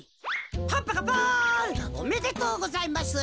パッパカパン！おめでとうございます。